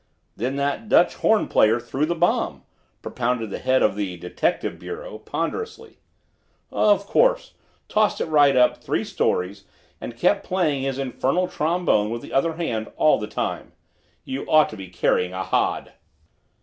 "Then that Dutch horn player threw the bomb," propounded the head of the "Detective Bureau" ponderously. "Of course; tossed it right up, three stories, and kept playing his infernal trombone with the other hand all the time. You ought to be carrying a hod!"